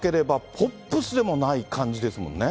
ポップスでもない感じですもんね。